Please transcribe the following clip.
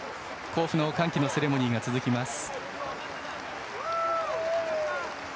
甲府の歓喜のセレモニーが続きます。